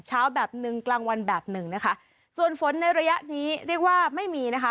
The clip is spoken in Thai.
แบบหนึ่งกลางวันแบบหนึ่งนะคะส่วนฝนในระยะนี้เรียกว่าไม่มีนะคะ